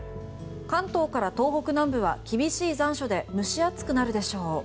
関東から東北南部は厳しい残暑で蒸し暑くなるでしょう。